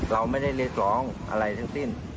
เราไม่ได้เรียกร้องอะไรซึ่ง